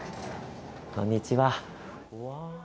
こんにちは。